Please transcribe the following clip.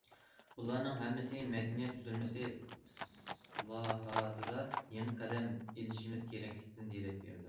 بۇلارنىڭ ھەممىسى مەدەنىيەت تۈزۈلمىسى ئىسلاھاتىدا يېڭى قەدەم ئېلىشىمىز كېرەكلىكىدىن دېرەك بېرىدۇ.